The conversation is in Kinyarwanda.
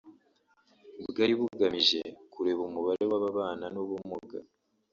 bwari bugamije kureba umubare w’ababana n’ubumuga